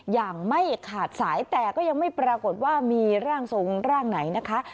อย่างไม่ขาดสายแต่ก็ยังไม่ปรากฏว่ามีร่างทรงร่างไหนนะคะ